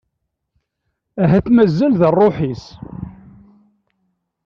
Ahat mazal-d rruḥ-is.